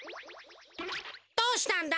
どうしたんだ？